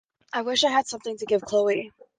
I wish I had something to give Chloe.